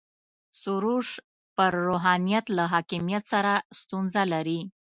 سروش پر روحانیت له حاکمیت سره ستونزه لري.